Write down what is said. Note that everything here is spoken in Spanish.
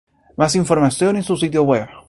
Más información en su sitio web.